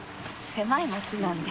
狭い町なんで。